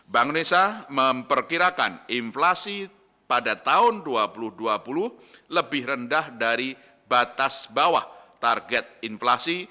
bank indonesia memperkirakan inflasi pada tahun dua ribu dua puluh lebih rendah dari batas bawah target inflasi